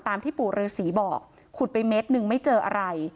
ที่ปู่ฤษีบอกขุดไปเมตรหนึ่งไม่เจออะไร